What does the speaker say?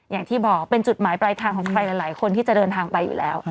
อย่างที่บอกเป็นจุดหมายปลายทางของใครหลายคนที่จะเดินทางไปอยู่แล้ว